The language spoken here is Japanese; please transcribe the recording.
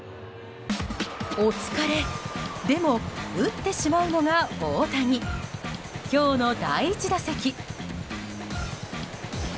お疲れでも打ってしまうのが大谷今日の第１打席。